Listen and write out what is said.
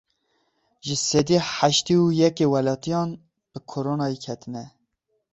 Ji sedî heştê û yekê welatiyan bi koronayê ketine.